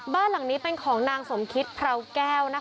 บ้านหลังนี้เป็นของนางสมคิดพราวแก้วนะคะ